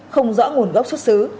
không rõ nguồn gốc xuất xứ